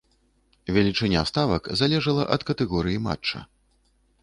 Велічыня ставак залежала ад катэгорыі матча.